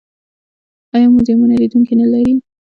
آیا موزیمونه لیدونکي لري؟